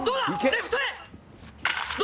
レフトへ。